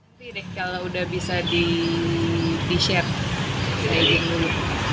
nanti deh kalau udah bisa di share